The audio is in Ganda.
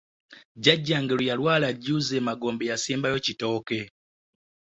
Jajjange lwe yalwala jjuuzi e magombe yasimbayo e kitooke.